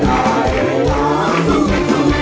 ได้ค่ะ